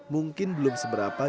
mungkin belum seberapa